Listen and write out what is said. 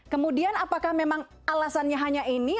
kemudian apakah memang alasannya hanya ini